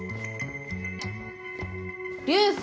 流星。